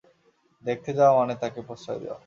দেখতে যাওয়া মানে তাকে প্রশ্রয় দেওয়া।